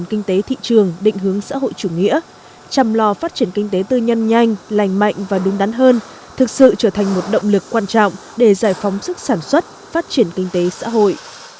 kinh tế thị trường định hướng xã hội chủ nghĩa chăm lo phát triển kinh tế tư nhân nhanh lành mạnh và đúng đắn hơn thực sự trở thành một động lực quan trọng để giải phóng sức sản xuất phát triển kinh tế xã hội